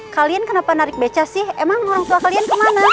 kalian kenapa narik beca sih emang orang tua kalian kemana